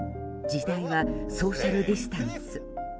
時代はソーシャルディスタンス。